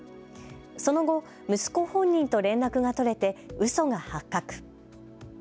その後、息子本人と連絡が取れてうそが発覚。